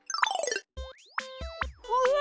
うわ！